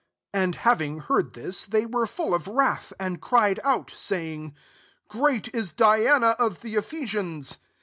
*' 28 And having heard this, they were full of wrath, and cried out, saying, *' Great ia Diana of the Ephesians."